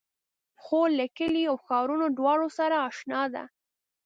خور له کليو او ښارونو دواړو سره اشنا ده.